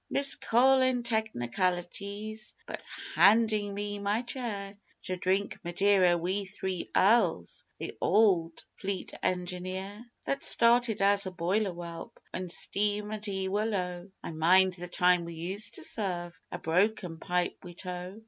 Miscallin' technicalities but handin' me my chair To drink Madeira wi' three Earls the auld Fleet Engineer, That started as a boiler whelp when steam and he were low. I mind the time we used to serve a broken pipe wi' tow.